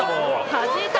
はじいた！